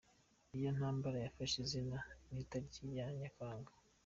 Iyo ntambara yafashe izina ry’itariki ya Nyakanga.